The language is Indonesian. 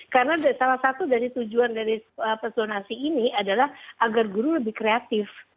karena salah satu dari tujuan dari zonasi ini adalah agar guru lebih kreatif